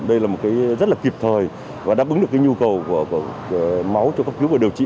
đây là một cái rất là kịp thời và đáp ứng được cái nhu cầu của máu cho cấp cứu và điều trị